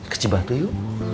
kece banget yuk